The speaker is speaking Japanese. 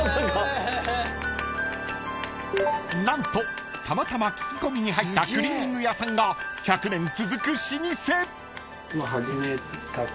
［何とたまたま聞き込みに入ったクリーニング屋さんが１００年続く老舗］始めたころ。